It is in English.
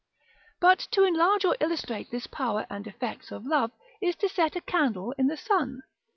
But to enlarge or illustrate this power and effects of love, is to set a candle in the sun.